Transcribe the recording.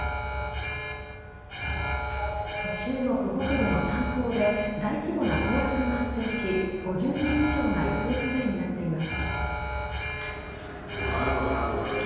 中国北部の炭鉱で大規模な崩落が発生し５０人以上が行方不明になっています。